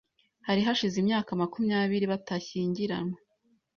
Hari hashize imyaka makumyabiri batashyingiranywe.